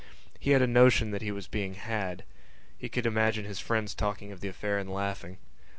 He had a notion that he was being had. He could imagine his friends talking of the affair and laughing.